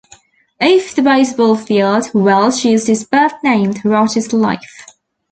Off the baseball field, Welch used his birth name throughout his life.